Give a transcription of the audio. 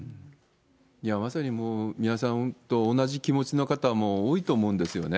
まさに皆さん、同じ気持ちの方も多いと思うんですよね。